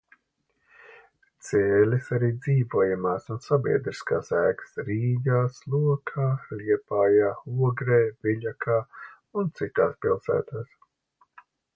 Cēlis arī dzīvojamās un sabiedriskās ēkas Rīgā, Slokā, Liepājā, Ogrē, Viļakā un citās pilsētās.